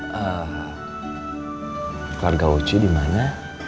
keluarga uci dimana